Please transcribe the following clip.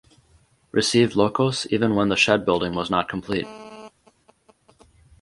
Received locos even when the shed building was not complete.